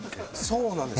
そうなんですよ。